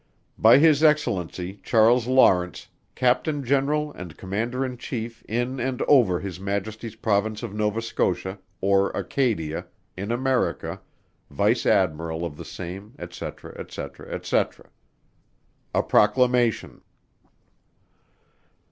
By His Excellency Charles Lawrence, Captain General and Commander in Chief in and over His Majesty's Province of Nova Scotia, or Acadia, in America, Vice Admiral of the same, &c., &c., &c. A PROCLAMATION.